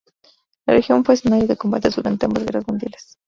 La región fue escenario de combates durante ambas guerras mundiales.